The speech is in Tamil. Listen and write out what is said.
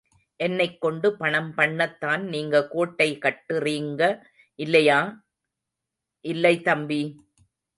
என்னைக் கொண்டு பணம் பண்ணத்தான் நீங்க கோட்டை கட்டுறீங்க, இல்லையா...? இல்லை, தம்பி.